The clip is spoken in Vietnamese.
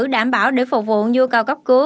đảm bảo để phục vụ vô cầu cấp cứu